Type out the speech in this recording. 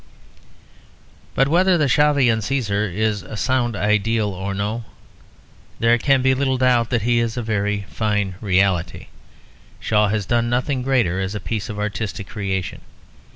But whether the Shavian Cæsar is a sound ideal or no, there can be little doubt that he is a very fine reality. Shaw has done nothing greater as a piece of artistic creation.